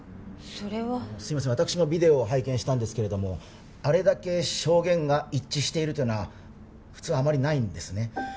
それは私もビデオを拝見したんですがあれだけ証言が一致しているというのはあまりないんですね